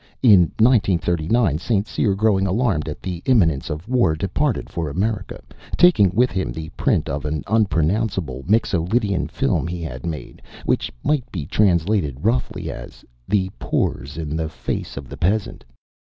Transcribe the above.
In 1939 St. Cyr, growing alarmed at the imminence of war, departed for America, taking with him the print of an unpronounceable Mixo Lydian film he had made, which might be translated roughly as The Pores In the Face of the Peasant.